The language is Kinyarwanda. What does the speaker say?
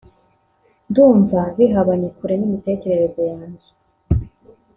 ndumva bihabanye kure n’imitekerereze yanjye